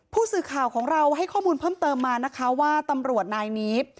ผู้สื่อข่าวของเราให้ข้อมูลเพิ่มเติมมานะคะว่าตำรวจนายนี้